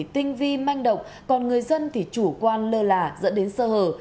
tinh vi manh động còn người dân thì chủ quan lơ là dẫn đến sơ hở